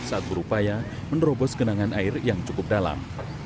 saat berupaya menerobos genangan air yang cukup dalam